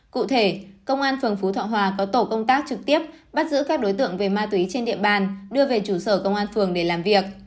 cụ thể công an phường phú thọ hòa có tổ công tác trực tiếp bắt giữ các đối tượng về ma túy trên địa bàn đưa về trụ sở công an phường để làm việc